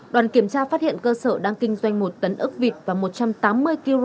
đoàn kiểm tra phát hiện cơ sở đang kinh doanh một tấn ốc vịt và một trăm tám mươi kg